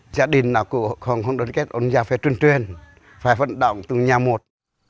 gia đình nào cũng không đối kết ông giàu phải truyền truyền phải vận động từ nhà một